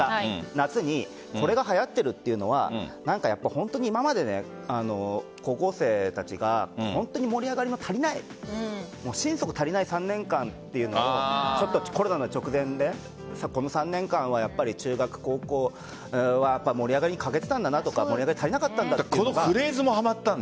夏にこれが流行っているというのは本当に今まで高校生たちが本当に盛り上がりが足りない心底足りない３年間というのをコロナの直前でこの３年間は中学、高校は盛り上がりに欠けていたんだなとかこのフレーズもはまったんだ。